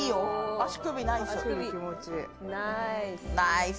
足首ナイス。